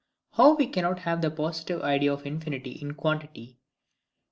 How we cannot have a positive idea of infinity in Quantity.